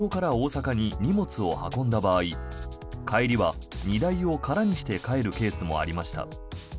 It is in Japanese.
そのシステムとは例えば、これまで東京から大阪に荷物を運んだ場合帰りは荷台を空にして帰るケースもありました。